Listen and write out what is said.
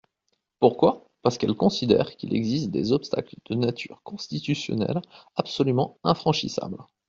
Pourquoi ? Parce qu’elles considèrent qu’il existe des obstacles de nature constitutionnelle absolument infranchissables.